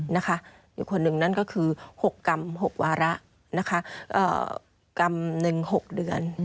นะคะคนหนึ่งนั่นก็คือหกกรรมหกวาระนะคะเอ่อกรรมหนึ่งหกเดือนอืม